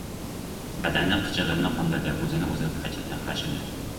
Badani qichig‘ini qondirdi. O‘zini o‘zi qashidi!